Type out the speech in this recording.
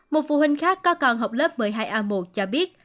một phụ huynh khác có con học lớp một mươi hai a một cho biết